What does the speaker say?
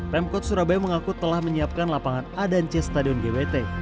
pemkot surabaya mengaku telah menyiapkan lapangan a dan c stadion gbt